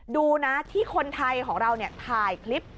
ดูนะที่คนไทยของเราถ่ายคลิป